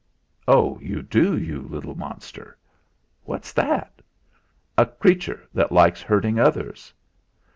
"Oh! you do; you little monster!" "What's that?" "A creature that likes hurting others."